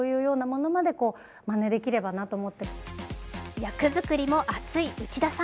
役作りも熱い内田さん。